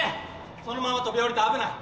そのまま飛び降りたら危ない。